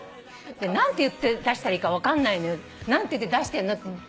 で「何て言って出したらいいか分かんないの」何て言って出してるの？って。